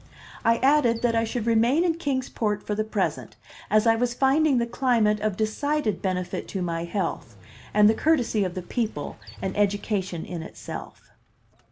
I added that I should remain in Kings Port for the present, as I was finding the climate of decided benefit to my health, and the courtesy of the people an education in itself.